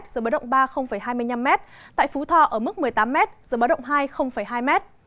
giữa bão động ba hai mươi năm m tại phú tho ở mức một mươi tám m giữa bão động hai hai mươi năm m